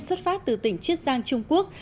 xuất phát từ tỉnh chiết giang trung quốc